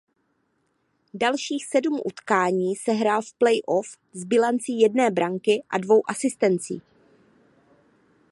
Dalších sedm utkání sehrál v play off s bilancí jedné branky a dvou asistencí.